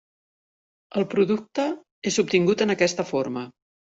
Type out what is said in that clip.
El producte és obtingut en aquesta forma.